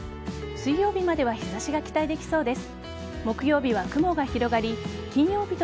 水曜日までは日差しが期待できそうです。